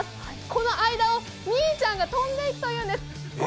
この間をみーちゃんが飛んでいくというんです。